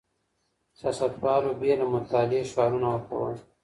سياستوالو بې له مطالعې شعارونه ورکول.